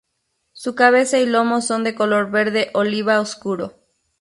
Su cabeza y lomo son de color verde oliva oscuro.